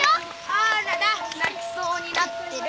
あらら泣きそうになってる